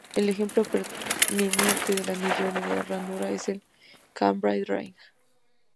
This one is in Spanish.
El ejemplo preeminente del anillo de ranura es el Cambridge Ring.